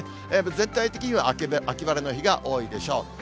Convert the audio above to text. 全体的には秋晴れの日が多いでしょう。